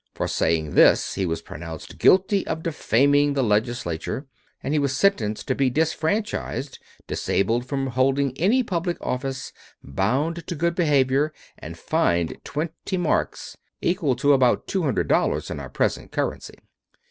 For saying this he was pronounced guilty of "defaming" the legislature, and he was sentenced to be disfranchised, disabled from holding any public office, bound to good behavior, and fined twenty marks, equal to about two hundred dollars in our present currency.